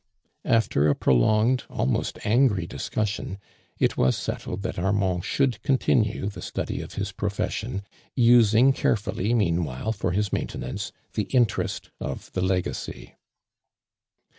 A.fter a prolonged, almost angry discxis sipn, it was settled that Armand should continue the study of his profession, using carefully meanwhile, for his maintenance, the interest of the legacy.